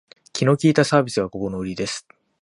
気の利いたサービスがここのウリです